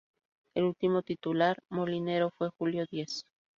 El último titular molinero fue Julio Diez.